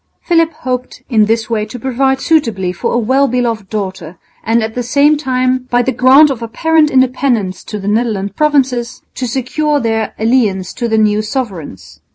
Philip hoped in this way to provide suitably for a well beloved daughter and at the same time, by the grant of apparent independence to the Netherland provinces, to secure their allegiance to the new sovereigns.